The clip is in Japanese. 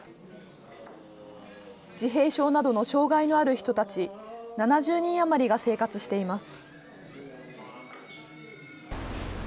自閉症などの障害のある人たち７０人余りが生活しています。